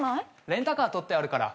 レンタカー取ってあるから。